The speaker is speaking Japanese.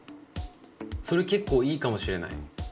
それ結構いいかもしれない。